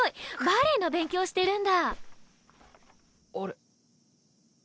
バレエの勉強してるんだ。